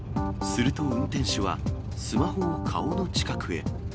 すると、運転手はスマホを顔の近くへ。